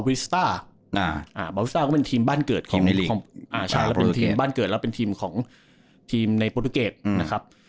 บาวิสตาร์ก็เป็นทีมบ้านเกิดและเป็นทีมในปลูตุเกรด